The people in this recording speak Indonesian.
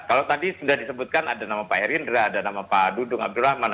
kalau tadi sudah disebutkan ada nama pak herindra ada nama pak dudung abdurrahman